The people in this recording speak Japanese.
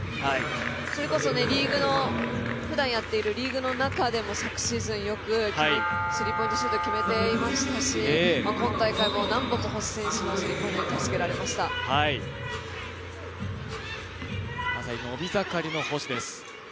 それこそふだんやっているリーグの中でも昨シーズン、よくスリーポイントシュート決めていましたし今大会も何本も星選手のスリーポイントにまさに、伸び盛りの星。